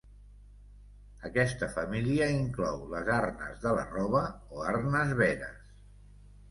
Aquesta família inclou les arnes de la roba o arnes veres.